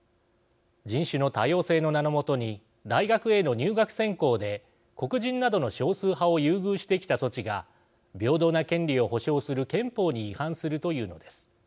人種の多様性の名のもとに大学への入学選考で黒人などの少数派を優遇してきた措置が平等な権利を保障する憲法に違反するというのです。